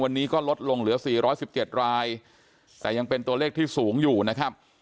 วันนี้ก็ลดลงเหลือ๔๑๗รายแต่ยังเป็นตัวเลขที่สูงอยู่นะครับ